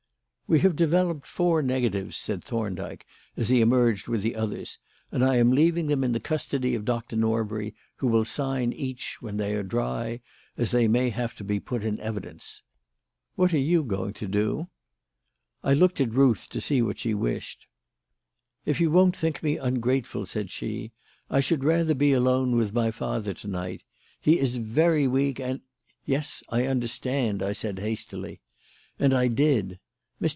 "We have developed four negatives," said Thorndyke, as he emerged with the others, "and I am leaving them in the custody of Doctor Norbury, who will sign each when they are dry, as they may have to be put in evidence. What are you going to do?" I looked at Ruth to see what she wished. "If you won't think me ungrateful," said she, "I should rather be alone with my father to night. He is very weak, and " "Yes, I understand," I said hastily. And I did. Mr.